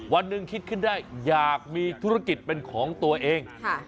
วันหนึ่งคิดขึ้นได้อยากมีธุรกิจเป็นของตัวเอง